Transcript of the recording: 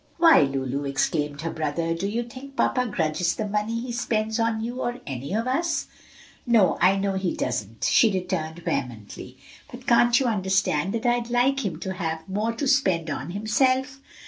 "Why, Lu!" exclaimed her brother, "do you think papa grudges the money he spends on you, or any of us?" "No, I know he doesn't," she returned vehemently, "but can't you understand that I'd like him to have more to spend on himself?"